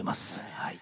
はい。